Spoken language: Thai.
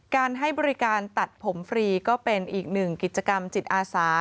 การให้บริการตัดผมฟรีก็เป็นอีกหนึ่งกิจกรรมจิตอาสา